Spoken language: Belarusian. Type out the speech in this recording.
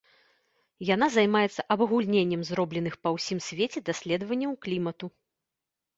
Яна займаецца абагульненнем зробленых па ўсім свеце даследаванняў клімату.